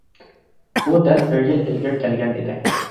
ئۇ دەل بىر يىل ئىلگىرى كەلگەن ئىدى.